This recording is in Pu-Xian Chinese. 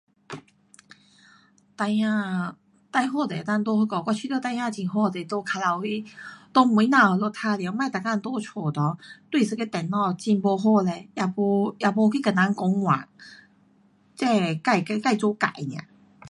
孩儿最好都能够在那个，我觉得孩儿很好是在附近围，在门外那里玩耍。别每天在家内，对一个电脑会不好嘞。也没，也没去跟别人讲话，真的，自，自做自的 nia